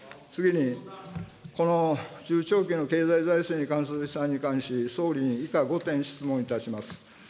次に、この中長期の経済財政に関する試算に関し、総理に以下５点、質問いたします。